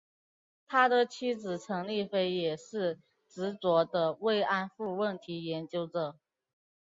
他的妻子陈丽菲也是执着的慰安妇问题研究者。